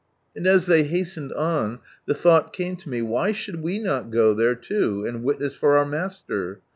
And as they hastened on, the thought came to me, why should we not go there loo, and witness for our Master?